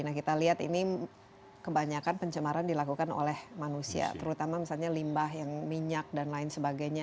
nah kita lihat ini kebanyakan pencemaran dilakukan oleh manusia terutama misalnya limbah yang minyak dan lain sebagainya